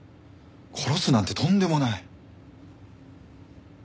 殺すなんてとんでもない！